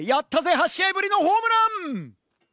８試合ぶりのホームラン！